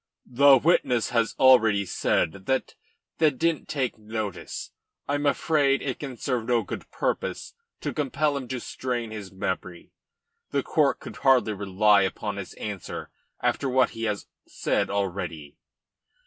"The witness has already said that the didn't take notice. I am afraid it can serve no good purpose to compel him to strain his memory. The court could hardly rely upon his answer after what he has said already."